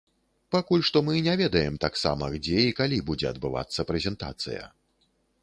Пакуль што мы не ведаем таксама, дзе і калі будзе адбывацца прэзентацыя.